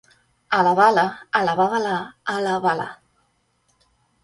A la bala, a la babalà alàbala.